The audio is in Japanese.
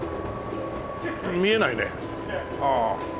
見えないね。